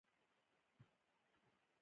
هغه کوټه چې کتابونه پکې نه وي.